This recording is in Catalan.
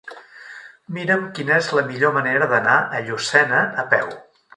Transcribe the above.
Mira'm quina és la millor manera d'anar a Llucena a peu.